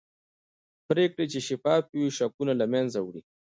پرېکړې چې شفافې وي شکونه له منځه وړي